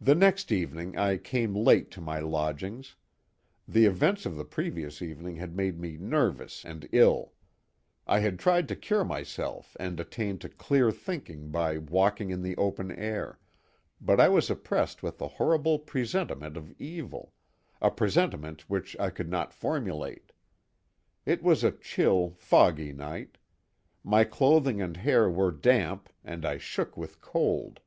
The next evening I came late to my lodgings. The events of the previous evening had made me nervous and ill; I had tried to cure myself and attain to clear thinking by walking in the open air, but I was oppressed with a horrible presentiment of evil—a presentiment which I could not formulate. It was a chill, foggy night; my clothing and hair were damp and I shook with cold.